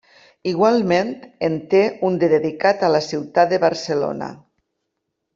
Igualment en té un de dedicat a la ciutat de Barcelona.